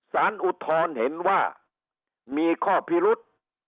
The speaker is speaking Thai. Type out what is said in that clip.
อุทธรณ์เห็นว่ามีข้อพิรุษ